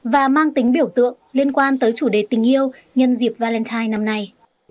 và mang tính biểu tượng liên quan tới chủ đề tình yêu nhân dịp valentine năm nay